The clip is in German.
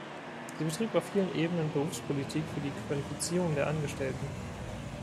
Sie betrieb auf vielen Ebenen Berufspolitik für die Qualifizierung der Angestellten.